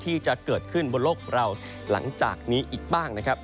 ที่จะเกิดขึ้นบนโลกเราหลังจากนี้อีกบ้างนะครับ